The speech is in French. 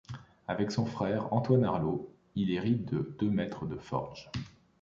Avec son frère, Antoine Arlot, il hérite de deux maîtres de forges.